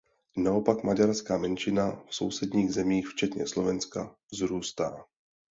Naopak maďarská menšina v sousedních zemích včetně Slovenska vzrůstá.